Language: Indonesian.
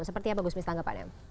seperti apa gusmis tanggapannya